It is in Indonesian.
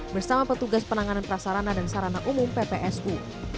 bersama petugas penanganan prasarana dan sarana umum ppsu